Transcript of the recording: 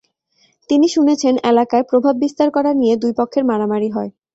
তিনি শুনেছেন এলাকায় প্রভাব বিস্তার করা নিয়ে দুই পক্ষের মধ্যে মারামারি হয়।